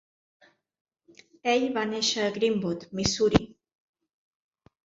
Ell va néixer a Greenwood, Missouri.